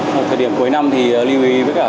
một thời điểm cuối năm thì lưu ý với cả